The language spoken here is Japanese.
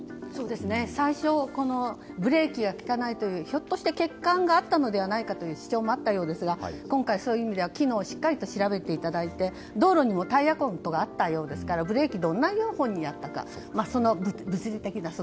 最初ブレーキが利かないという欠陥があったのではないかという主張もあったようですが今回、そういう意味では機能をしっかり調べていただいて道路にもタイヤ痕とかあったようなのでブレーキ